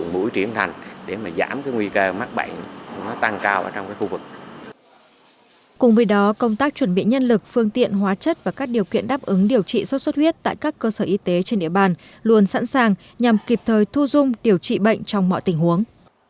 cùng với đó công tác chuẩn bị nhân lực phương tiện hóa chất và các điều kiện đáp ứng điều trị sốt xuất huyết tại các cơ sở y tế trên địa bàn luôn sẵn sàng nhằm kịp thời thu dung điều trị bệnh trong mọi tình huống